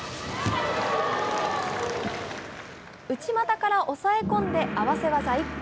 内股から押さえ込んで、合わせ技一本。